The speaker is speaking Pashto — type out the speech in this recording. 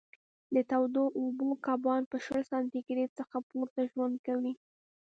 د تودو اوبو کبان په شل سانتي ګرېد څخه پورته ژوند کوي.